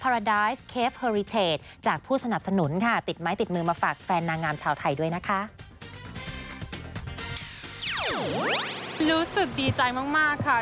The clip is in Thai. รู้สึกดีใจมากค่ะ